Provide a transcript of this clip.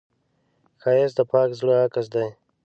ښایست د پاک زړه عکس دی